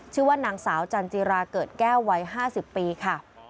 ชื่อว่านางสาวจันจิราเกิดแก้ววัย๕๐ปีค่ะ